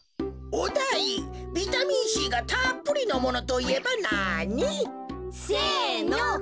おだいビタミンＣがたっぷりのものといえばなに？せの！